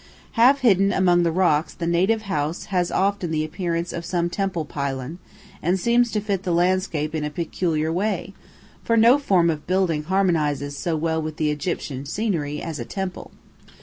Half hidden among the rocks the native house has often the appearance of some temple pylon, and seems to fit the landscape in a peculiar way, for no form of building harmonizes so well with the Egyptian scenery as the temple.